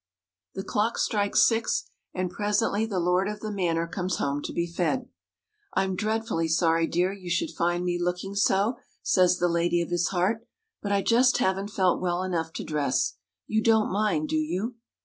The clock strikes six, and presently the lord of the manor comes home to be fed. "I'm dreadfully sorry, dear, you should find me looking so," says the lady of his heart, "but I just haven't felt well enough to dress. You don't mind, do you?"